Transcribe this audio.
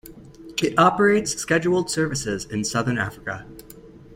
It operates scheduled services in southern Africa.